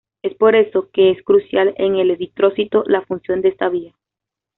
Es por esto que es crucial en el eritrocito la función de esta vía.